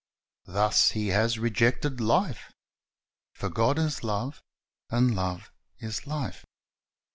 Thus he has rejected life. For God is love, and love is life.